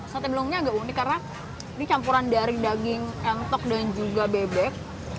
sate blungnya agak unik karena ini campuran dari daging entok dan juga bebek